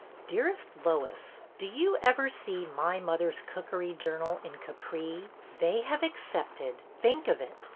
D earest LOIS, — Do you ever see My Mother's Cookery Journal in Capri? They have accepted — think of it!